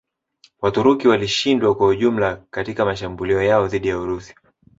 Waturuki walishindwa kwa ujumla katika mashambulio yao dhidi ya Urusi